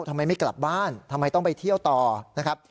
ทำไมไม่กลับบ้านทำไมต้องไปเที่ยวต่อนะครับ